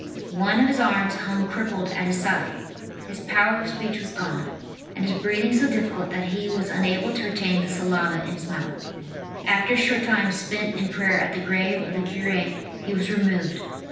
One of his arms hung crippled at his side; his power of speech was gone, and his breathing so difficult that he was unable to retain the saliva in his mouth. After a short time spent in prayer at the grave of the cure he was removed.